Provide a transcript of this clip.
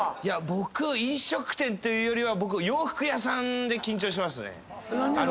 僕飲食店というよりは洋服屋さんで緊張しますね。